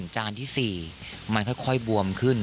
จานที่๔มันค่อยบวมขึ้น